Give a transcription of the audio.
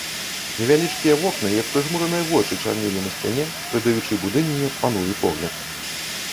Невялічкія вокны, як прыжмураныя вочы, чарнелі на сцяне, прыдаючы будыніне пануры погляд.